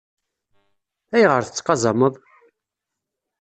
Ayɣer tettqazameḍ?